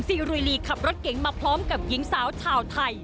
รุยลีขับรถเก๋งมาพร้อมกับหญิงสาวชาวไทย